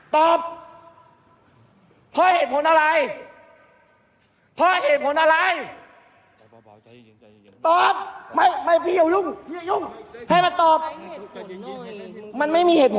เดี๋ยวป๊ามา